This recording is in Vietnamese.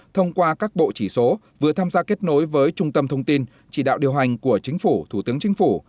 thông qua các bộ chỉ số vừa tham gia kết nối với trung tâm thông tin chỉ đạo điều hành của chính phủ thủ tướng chính phủ